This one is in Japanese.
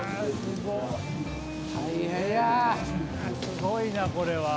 すごいなこれは。